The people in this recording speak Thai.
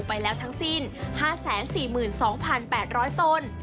ไปแล้วทั้งสิ้น๕๔๒๘๐๐ต้น